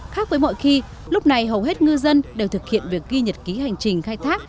khác với mọi khi lúc này hầu hết ngư dân đều thực hiện việc ghi nhật ký hành trình khai thác